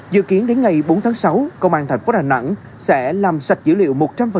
dự kiến đến ngày bốn tháng sáu công an thành phố đà nẵng sẽ làm sạch dữ liệu một trăm linh